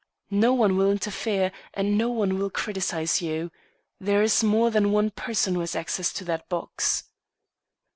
No one will interfere and no one will criticize you; there is more than one person who has access to that box."